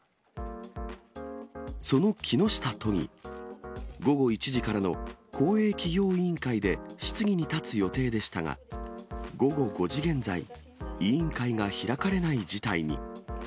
その木下都議、午後１時からの公営企業委員会で質疑に立つ予定でしたが、午後５時現在、委員会が開かれない事態に。